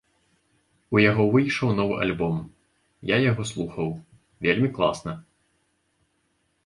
У яго выйшаў новы альбом, я яго слухаў, вельмі класна.